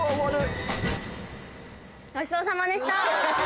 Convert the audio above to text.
ごちそうさまでした。